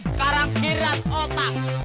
sekarang kirat otak